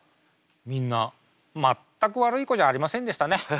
みんな全く悪い子じゃありませんでしたね。